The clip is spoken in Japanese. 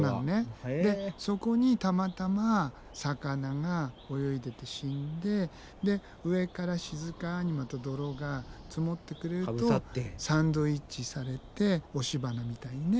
そこにたまたま魚が泳いでて死んでで上から静かにまた泥が積もってくれるとサンドイッチされて押し花みたいにね